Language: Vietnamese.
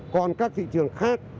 còn các thị trường khác